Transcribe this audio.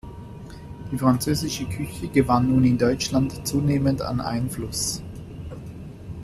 Die französische Küche gewann nun in Deutschland zunehmend an Einfluss.